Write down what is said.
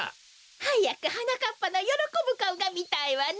はやくはなかっぱのよろこぶかおがみたいわね。